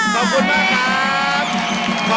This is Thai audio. ขอบคุณมากครับ